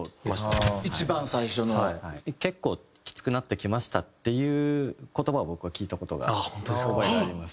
「結構きつくなってきました」っていう言葉を僕は聞いた事が覚えがあります。